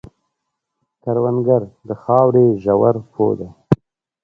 کروندګر د خاورې ژور پوه دی